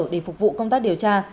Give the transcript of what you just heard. để phục vụ công tác điều tra